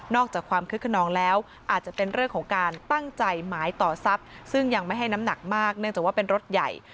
อกจากความคึกขนองแล้วอาจจะเป็นเรื่องของการตั้งใจหมายต่อทรัพย์ซึ่งยังไม่ให้น้ำหนักมากเนื่องจากว่าเป็นรถใหญ่